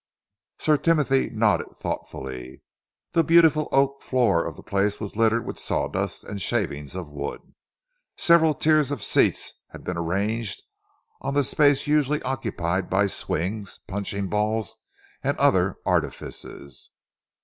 Sir Timothy nodded thoughtfully. The beautiful oak floor of the place was littered with sawdust and shavings of wood. Several tiers of seats had been arranged on the space usually occupied by swings, punching balls and other artifices.